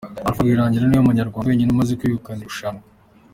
Alpha Rwirangira niwe munyarwanda wenyine umaze kwegukana iri rushanwa.